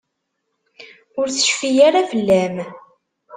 Ur tecfi ara fell-am.